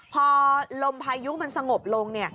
พอลมพายุมันสงบลง